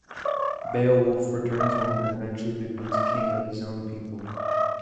Beowulf returns home and eventually becomes king of his own people.